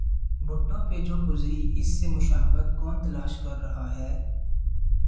بھٹو پہ جو گزری اس سے مشابہت کون تلاش کر رہا ہے؟